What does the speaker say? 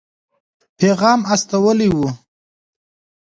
پیغام استولی وو.